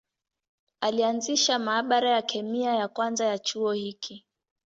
Alianzisha maabara ya kemia ya kwanza ya chuo hiki.